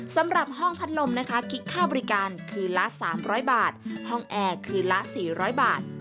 สำหรับห้องพัดลมนะคะคิดค่าบริการคืนละ๓๐๐บาทห้องแอร์คืนละ๔๐๐บาท